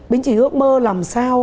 bính chỉ ước mơ làm sao